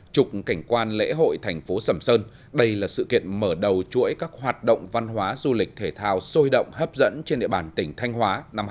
trục cảnh quan lễ hội thành phố sầm sơn đây là sự kiện mở đầu chuỗi các hoạt động văn hóa du lịch thể thao sôi động hấp dẫn trên địa bàn tỉnh thanh hóa năm hai nghìn hai mươi